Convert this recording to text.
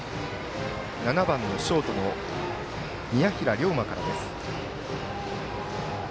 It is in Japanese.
７番のショートの宮平良磨から。